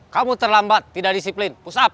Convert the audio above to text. kamu terlambat tidak disiplin push up